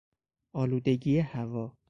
آلودگی هوا